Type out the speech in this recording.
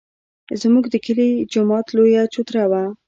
زموږ د کلي د جومات لویه چوتره وه.